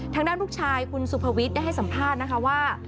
ทางด้านลูกชายคุณสุภวิทย์ได้ให้สัมภาษณ์นะคะว่า